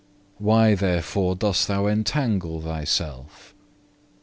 Why therefore dost thou entangle thyself?